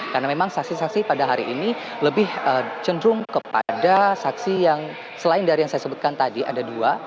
karena memang saksi saksi pada hari ini lebih cenderung kepada saksi yang selain dari yang saya sebutkan tadi ada dua